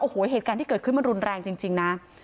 โอ้โหเหตุการณ์ที่เกิดขึ้นมันรุนแรงจริงนะ